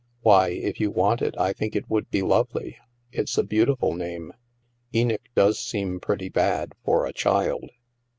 " Why, if you want it, I think it would be lovely. It's a beautiful name. Enoch does seem pretty bad, for a child.